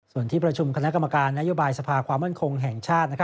ส่วนที่ประชุมคณะกรรมการนโยบายสภาความมั่นคงแห่งชาติ